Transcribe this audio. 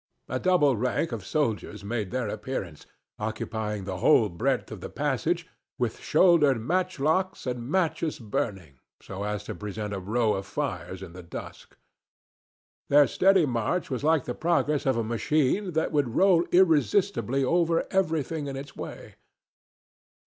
A double rank of soldiers made their appearance, occupying the whole breadth of the passage, with shouldered matchlocks and matches burning, so as to present a row of fires in the dusk. Their steady march was like the progress of a machine that would roll irresistibly over everything in its way.